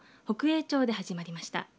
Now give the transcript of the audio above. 北栄町で始まりました。